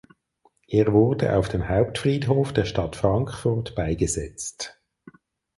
Er wurde auf dem Hauptfriedhof der Stadt Frankfurt beigesetzt.